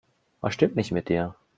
Was stimmt nicht mit dir?